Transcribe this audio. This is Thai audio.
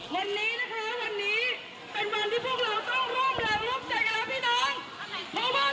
วันนี้นะคะวันนี้เป็นวันที่พวกเราต้องร่วมแรงร่วมใจกันแล้วพี่น้อง